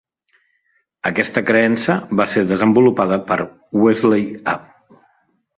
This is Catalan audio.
Aquesta creença va ser desenvolupada per Wesley A.